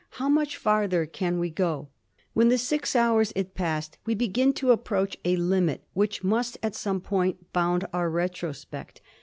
How much farther can we go? When the six hours it past, we begin to approach a limit which must at some point bound our retrospect.